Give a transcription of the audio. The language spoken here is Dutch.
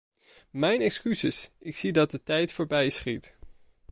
Mijn excuses, ik zie dat de tijd voorbij schiet.